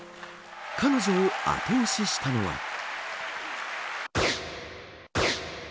彼女を後押ししたのは。